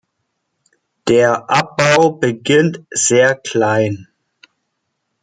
Der Abbau beginnt sehr klein.